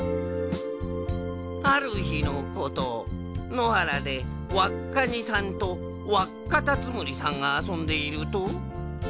あるひのことのはらでわっカニさんとわっカタツムリさんがあそんでいると。